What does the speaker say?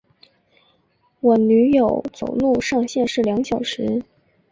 我女友走路上限是两小时